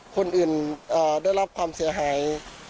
คนอื่นได้รับความเสียหาย